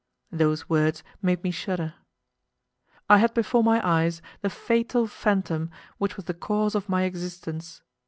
'" Those words made me shudder. I had before my eyes the fatal phantom which was the cause of my existence.